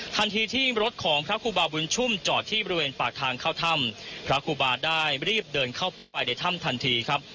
ทันทีที่รถของพระครูบาบุญชุ่มจอดที่บริเวณปากทางเข้าถ้ำพระครูบาได้รีบเดินเข้าไปในถ้ำทันทีครับ